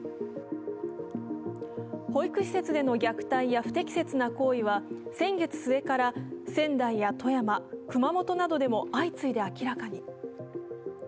保育施設での虐待や不適切な行為は先月末から、仙台や富山、熊本などでも相次いで明らかに。